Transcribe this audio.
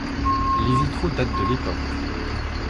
Les vitraux datent de l'époque.